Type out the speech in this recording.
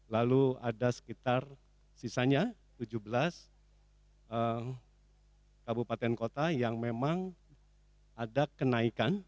lalu ada sekitar sisanya tujuh belas kabupaten kota yang memang ada kenaikan